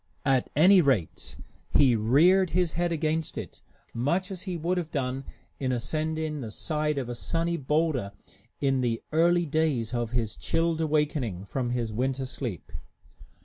At any rate, he reared his head against it much as he would have done in ascending the side of a sunny boulder in the early days of his chilled awakening from his winter sleep.